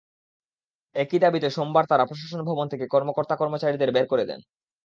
একই দাবিতে সোমবার তাঁরা প্রশাসন ভবন থেকে কর্মকর্তা-কর্মচারীদের বের করে দেন।